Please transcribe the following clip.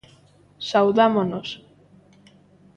Saudámonos.